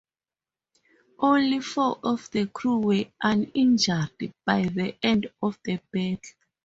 Only four of the crew were uninjured by the end of the battle.